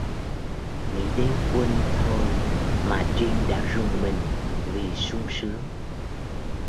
Nghĩ đến quân thôi mà trinh đã rùng mình vì sung sướng